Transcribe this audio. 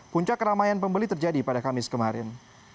puncak keramaian pembeli terjadi pada kamis kemarin